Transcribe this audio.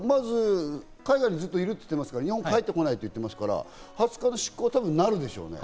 海外にずっといると言ってますから、日本に帰ってこないと言ってますから、２０日の執行なるでしょうね。